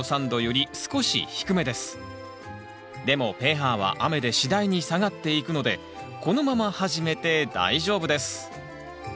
でもｐＨは雨で次第に下がっていくのでこのまま始めて大丈夫です